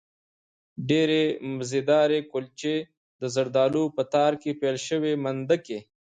ډېرې مزهدارې کلچې، د زردالو په تار کې پېل شوې مندکې